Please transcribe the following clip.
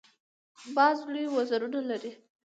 باز لوی وزرونه لري